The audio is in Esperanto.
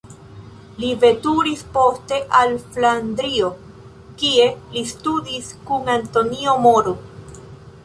Li veturis poste al Flandrio, kie li studis kun Antonio Moro.